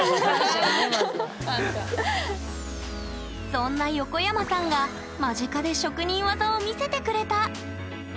そんな横山さんが間近で職人技を見せてくれた！